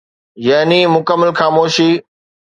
يعني مڪمل خاموشي.